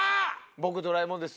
「ぼくドラえもんです」